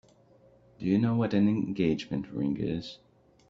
Do you know what an engagement ring is?